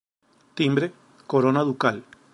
Timbre: Corona Ducal.